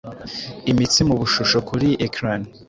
imitsi mubishusho kuri ecran